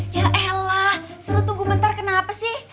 ya ella suruh tunggu bentar kenapa sih